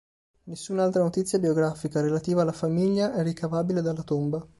Nessuna altra notizia biografica, relativa alla famiglia, è ricavabile dalla tomba.